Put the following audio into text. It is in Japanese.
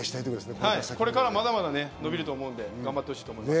これからまだまだ伸びると思うので頑張ってほしいと思います。